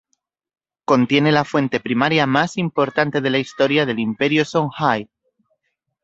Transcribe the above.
Contiene la fuente primaria más importante de la historia del Imperio Songhay.